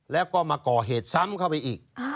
แล้วก็มาก่อเหตุซ้ำเข้าไปอีก